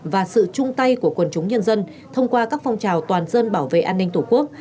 và sự chung tay của quần chúng nhân dân thông qua các phong trào toàn dân bảo vệ an ninh tổ quốc